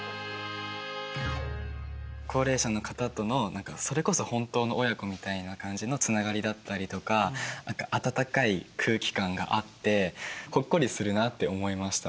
高齢者の方との何かそれこそ本当の親子みたいな感じのつながりだったりとか温かい空気感があってほっこりするなって思いました。